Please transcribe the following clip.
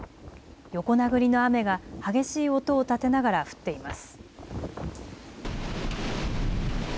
横殴りの雨が激しい音を立てながら降っています。